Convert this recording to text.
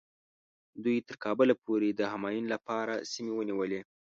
دوی تر کابله پورې د همایون لپاره سیمې ونیولې.